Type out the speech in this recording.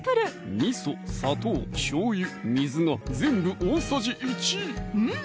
みそ・砂糖・しょうゆ・水が全部大さじ１うん！